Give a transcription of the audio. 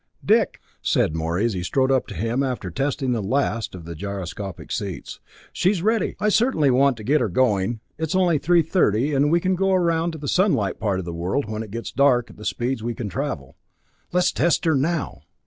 "Dick," said Morey as he strode up to him after testing the last of the gyroscopic seats, "she's ready! I certainly want to get her going it's only three thirty, and we can go around to the sunlight part of the world when it gets dark at the speeds we can travel. Let's test her now!"